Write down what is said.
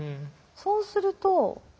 そうすると。